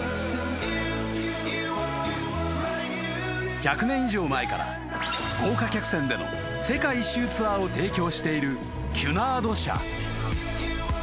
［１００年以上前から豪華客船での世界一周ツアーを提供しているキュナード社］